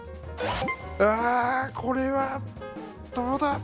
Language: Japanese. うわあこれはどうだ。